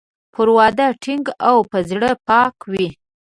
پر وعده ټینګ او په زړه پاک وي.